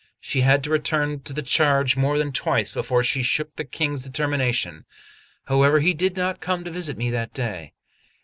She had to return to the charge more than twice before she shook the King's determination; however, he did not come to visit me that day.